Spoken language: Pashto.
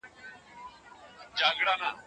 زه چي هر څومره زړيږم حقیقت را څرګندیږي